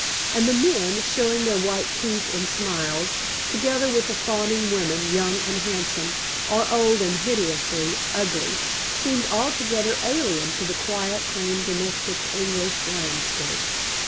And the men, showing their white teeth in smiles, together with the fawning women, young and handsome, or old and hideously ugly, seemed altogether alien to the quiet, tame domestic English landscape.